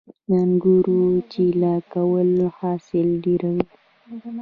د انګورو چیله کول حاصل ډیروي